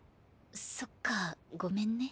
そっかぁごめんね。